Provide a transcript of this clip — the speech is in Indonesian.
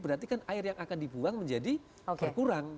berarti kan air yang akan dibuang menjadi berkurang